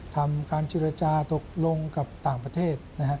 ทำการเจรจาตกลงกับต่างประเทศนะฮะ